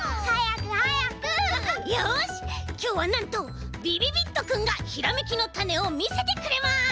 よしきょうはなんとびびびっとくんがひらめきのたねをみせてくれます！